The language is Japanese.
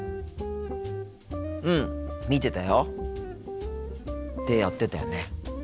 うん見てたよ。ってやってたよね。